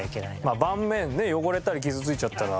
まあ盤面ね汚れたり傷ついちゃったら。